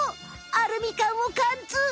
アルミ缶をかんつう。